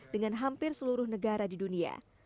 dengan hampir seluruh negara di dunia